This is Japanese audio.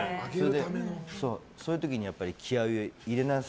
そういう時にやっぱり気合を入れ直す。